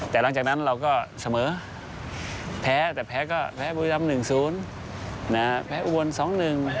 แต่หลังจากนั้นเราก็เสมอแพ้แต่แพ้ก็แพ้อุบัน๑๐แพ้อุบัน๒๑